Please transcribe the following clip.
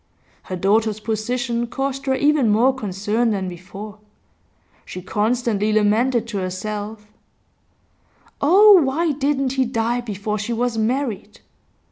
Her daughter's position caused her even more concern than before; she constantly lamented to herself: 'Oh, why didn't he die before she was married!